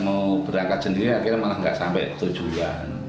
mau berangkat sendiri akhirnya malah gak sampai ke tujuan